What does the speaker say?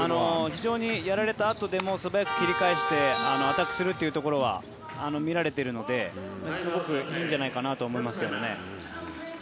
非常にやられたあとでも素早く切り返してアタックするというところは見られているのですごくいいんじゃないかなと思いますね。